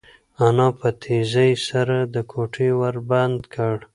انا په تېزۍ سره د کوټې ور بند کړ.